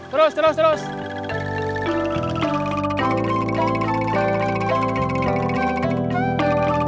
terus terus terus